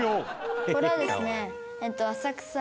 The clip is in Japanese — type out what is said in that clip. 「これはですね浅草」